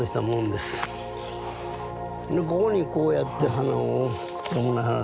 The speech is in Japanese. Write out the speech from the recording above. でここにこうやって花を。